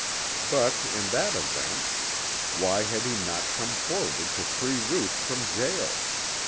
But in that event why had he not come forward to free Ruth from jail?